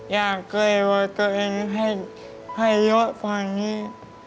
อยากเกลยว่าตัวเองให้ไปยกพ่อนี่